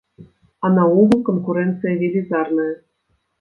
А наогул канкурэнцыя велізарная.